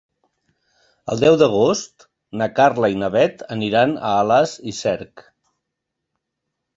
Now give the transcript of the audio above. El deu d'agost na Carla i na Bet aniran a Alàs i Cerc.